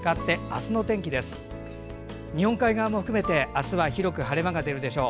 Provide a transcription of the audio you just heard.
日本海側も含めて明日は広く晴れ間が出るでしょう。